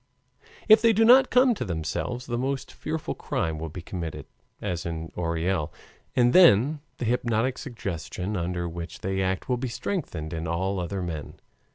If they do not come to themselves, the most fearful crime will be committed, as in Orel, and then the hypnotic suggestion under which they act will be strengthened in all other men.